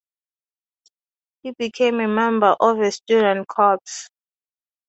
He became a member of a Student Corps.